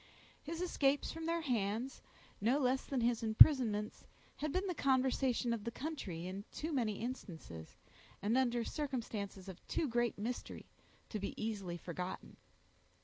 His escapes from their hands, no less than his imprisonments, had been the conversation of the country in too many instances, and under circumstances of too great mystery, to be easily forgotten.